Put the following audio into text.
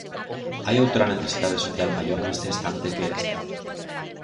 ¿Hai outra necesidade social maior neste instante que esta?